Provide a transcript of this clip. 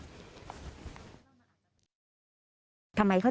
อยู่ดีมาตายแบบเปลือยคาห้องน้ำได้ยังไง